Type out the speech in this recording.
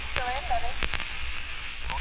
په ناز،